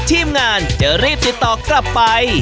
ทีมงานจะรีบติดต่อกลับไป